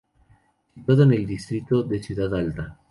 Situado en el distrito de Ciudad Alta.